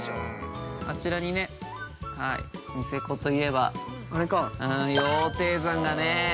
あちらにね、ニセコといえば、羊蹄山がね。